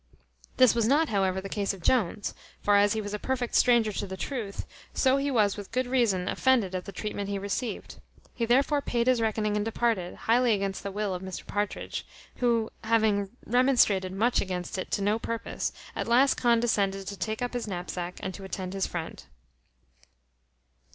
This was not, however, the case of Jones; for as he was a perfect stranger to the truth, so he was with good reason offended at the treatment he received. He therefore paid his reckoning and departed, highly against the will of Mr Partridge, who having remonstrated much against it to no purpose, at last condescended to take up his knapsack and to attend his friend.